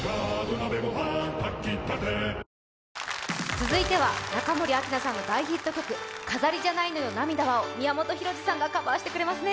続いては中森明菜さんの大ヒット曲「飾りじゃないのよ涙は」を宮本浩次さんがカバーしてくれますね。